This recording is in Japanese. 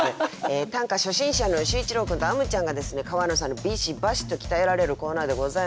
短歌初心者の秀一郎君とあむちゃんがですね川野さんにビシバシと鍛えられるコーナーでございます。